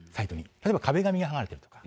例えば壁紙が剥がれている。